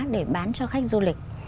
để bán cho khách du lịch